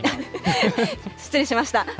失礼しました。